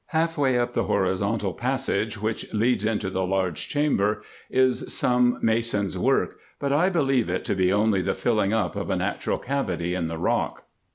Half way up the horizontal passage, which leads into the large chamber, is some mason's work ; but I believe it to be only the filling up of a natural cavity in the rock.